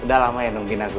udah lama ya nung binagu